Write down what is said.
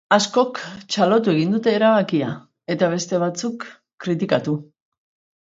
Askok txalotu egin dute erabakia, eta beste batzuek kritikatu.